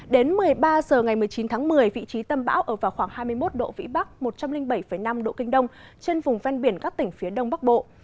đến một mươi ba h ngày một mươi chín tháng một mươi vị trí tâm bão ở vào khoảng hai mươi một độ vĩ bắc một trăm linh bảy năm độ kinh đông trên vùng ven biển các tỉnh phía đông bắc bộ